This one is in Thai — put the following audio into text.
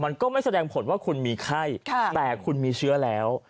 มันก็ไม่แสดงผลว่าคุณมีไข้แต่คุณมีเชื้อแล้ว